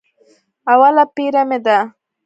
اوله پېره مې ده.